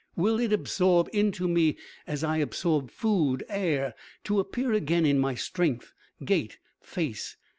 Will it absorb into me as I absorb food, air, to appear again in my strength, gait, face?